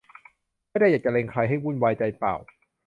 ไม่ได้อยากจะเล็งใครให้วุ่นวายใจเปล่า